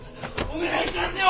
お願いしますよ！